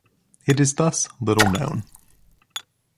It is thus little-known.